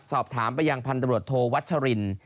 สอบถามประยังพันธ์ตำรวจโทวัชชาลิน